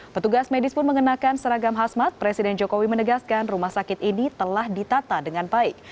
petugas medis pun mengenakan seragam hasmat presiden jokowi menegaskan rumah sakit ini telah ditata dengan baik